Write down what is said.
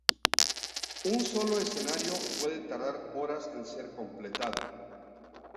Un solo escenario puede tardar horas en ser completado.